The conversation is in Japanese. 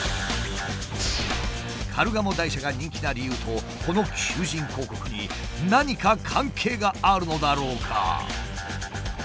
カルガモ台車が人気な理由とこの求人広告に何か関係があるのだろうか？